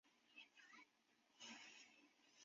安吉尔是一个商业和零售中心。